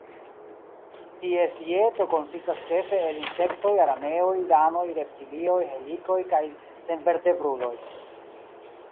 Ties dieto konsistas ĉefe el insektoj, araneoj, ranoj, reptilioj, helikoj kaj senvertebruloj.